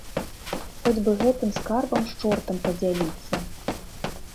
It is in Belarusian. Хоць бы гэтым скарбам з чортам падзяліцца.